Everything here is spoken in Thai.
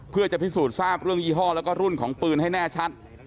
เพื่อจะพิสูจน์ทราบเรื่องยี่ห้อแล้วก็รุ่นของปืนให้แน่ชัด